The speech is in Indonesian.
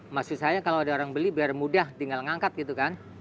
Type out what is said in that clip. maksud saya kalau ada orang beli biar mudah tinggal ngangkat gitu kan